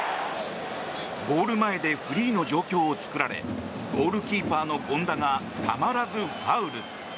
ゴール前でフリーの状況を作られゴールキーパーの権田がたまらずファウル。